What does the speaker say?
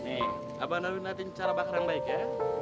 nih abang darwin nantikan cara bakar yang baik ya